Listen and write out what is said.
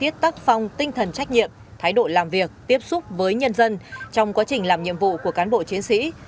biết tác phong tinh thần trách nhiệm thái độ làm việc tiếp xúc với nhân dân trong quá trình làm nhiệm vụ của cán bộ chiến sĩ